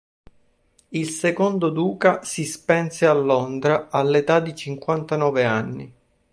Il secondo duca si spense a Londra all'età di cinquantanove anni.